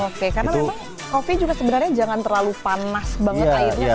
oke karena memang kopi juga sebenarnya jangan terlalu panas banget airnya